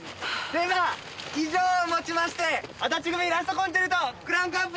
では以上をもちまして足立組『ラスト・コンチェルト』クランクアップです！